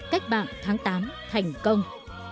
cách mạng tháng tám thành công